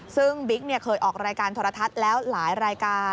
ซึ่งบิ๊กเคยออกรายการโทรทัศน์แล้วหลายรายการ